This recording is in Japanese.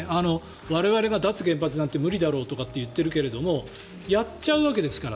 我々が脱原発なんて無理だろうって言ってるけどやっちゃうわけですから。